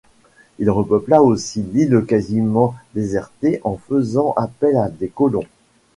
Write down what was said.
Il repeupla aussi l'île quasiment désertée en faisant appel à des colons.